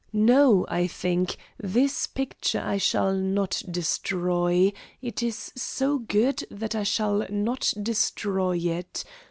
No, I think, this picture I shall not destroy; it is so good that I shall not destroy it.